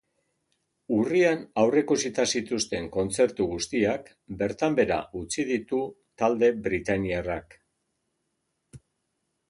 Urrian aurreikusita zituzten kontzertu guztiak bertan behera utzi ditu talde britainiarrak.